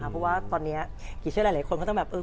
เพราะว่าตอนนี้กิจเรื่อยคนต้องแบบ